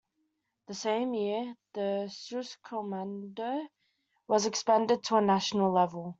That same year, the "Schutzkommando" was expanded to a national level.